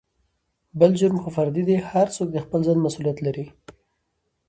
بل جرم خو فردي دى هر څوک دخپل ځان مسولېت لري.